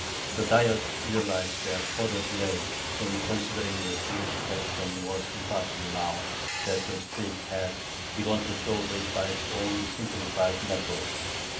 The Diet realized that further delay in considering the Jewish question was impossible now that the street had begun to solve it by its own simplified methods.